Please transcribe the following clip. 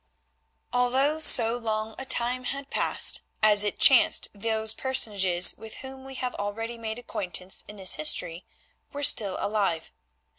Although so long a time had passed, as it chanced those personages with whom we have already made acquaintance in this history were still alive.